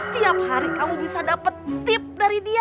tiap hari kamu bisa dapat tip dari dia